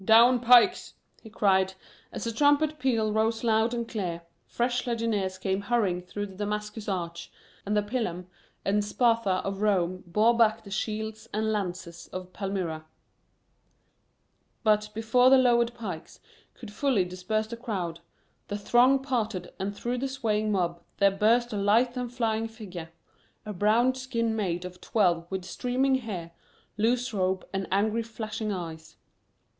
Down, pikes!" he cried, and as the trumpet peal rose loud and clear, fresh legionaries came hurrying through the Damascus arch, and the pilum(1) and spatha of Rome bore back the shields and lances of Palmyra. (1) The pilum was the Roman pike, and the spatha the short single edged Roman sword. But, before the lowered pikes could fully disperse the crowd, the throng parted and through the swaying mob there burst a lithe and flying figure a brown skinned maid of twelve with streaming hair, loose robe, and angry, flashing eyes.